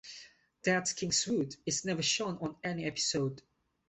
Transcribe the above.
Ted's Kingswood is never shown on any episode.